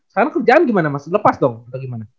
sekarang kerjaan gimana mas lepas dong atau gimana